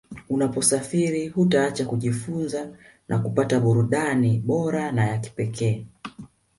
Unaposafiri hutaacha kujifunza na kupata burudani bora na ya kipekee